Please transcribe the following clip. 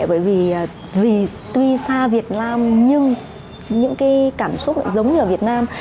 bởi vì tuy xa việt nam nhưng những cái cảm xúc lại giống như ở việt nam